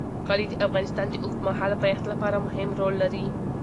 کلي د افغانستان د اوږدمهاله پایښت لپاره مهم رول لري.